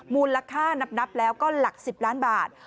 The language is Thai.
มูลค่านับแล้วก็หลัก๑๐ล้านบาท